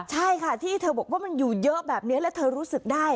ใช่ค่ะที่เธอบอกว่ามันอยู่เยอะแบบนี้แล้วเธอรู้สึกได้